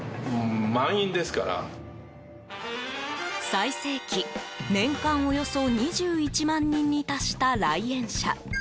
最盛期、年間およそ２１万人に達した来園者。